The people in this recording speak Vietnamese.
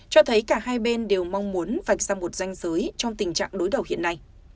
cho thấy cả hai bên đều mong muốn vạch ra một danh giới trong tình trạng đối đầu hiện nay